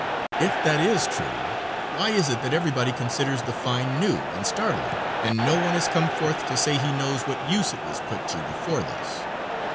"If that is true, why is it that everybody considers the find new and startling, and no one has come forth to say he knows what use it was put to before this?